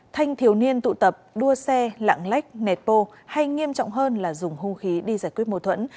thanh thiếu niên tụ tập đua xe lạng lách nẹt bô hay nghiêm trọng hơn là dùng hung khí đi giải quyết mô thuẫn